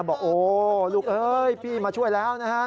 บอกโอ้ลูกเอ้ยพี่มาช่วยแล้วนะครับ